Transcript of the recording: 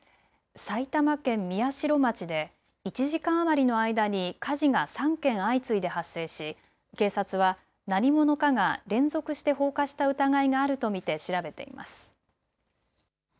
埼玉県宮代町で１時間余りの間に火事が３件相次いで発生し警察は何者かが連続して放火した疑いがあると見て調べています。